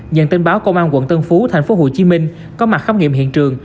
nhận tin báo công an quận tân phú thành phố hồ chí minh có mặt khám nghiệm hiện trường